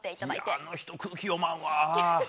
あの人、空気読まんわ。